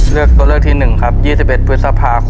เลือกตัวเลือกที่หนึ่งครับ๒๑พศ๒๕๓๑